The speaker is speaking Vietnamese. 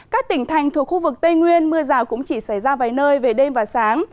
các tỉnh thành thuộc khu vực tây nguyên mưa rào cũng chỉ xảy ra vài nơi về đêm và sáng